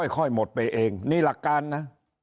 ค่อยหมดไปเองนี่หลักการนะ